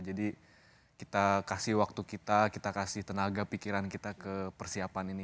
jadi kita kasih waktu kita kita kasih tenaga pikiran kita ke persiapan ini